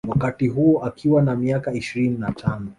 Wakati huo akiwa na miaka ishirini na tano